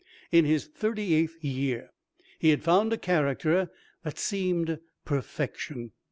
In his thirty eighth year he had found a character that seemed perfection.